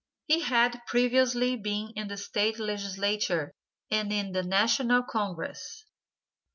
He had previously been in the State legislature and in the national congress.